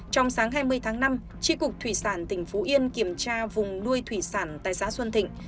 trong sáng hai mươi tháng năm tri cục thủy sản tỉnh phú yên kiểm tra vùng nuôi thủy sản tại xã xuân thịnh